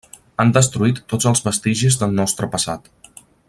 Han destruït tots els vestigis del nostre passat.